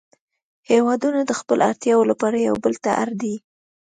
هیوادونه د خپلو اړتیاوو لپاره یو بل ته اړ دي